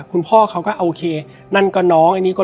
และวันนี้แขกรับเชิญที่จะมาเชิญที่เรา